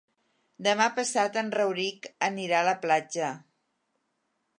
Demà passat en Rauric anirà a la platja.